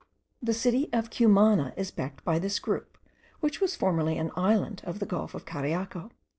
The city of Cumana is backed by this group, which was formerly an island of the gulf of Cariaco.